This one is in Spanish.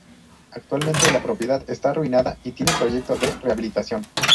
Actualmente la propiedad está arruinada y tiene proyecto de rehabilitación.